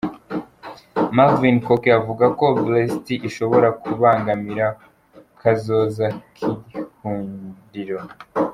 Marvin Cooke avuga ko Brexit ishobora kubangamira kazoza k'ihinguriro.